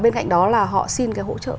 bên cạnh đó là họ xin cái hỗ trợ của chúng tôi